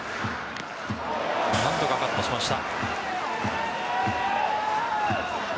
何とかカットしました。